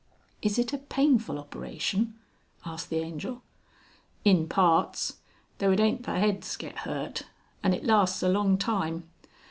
"Is it a painful operation?" asked the Angel. "In parts. Though it aint the heads gets hurt. And it lasts a long time.